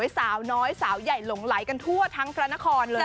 สาวน้อยสาวใหญ่หลงไหลกันทั่วทั้งพระนครเลย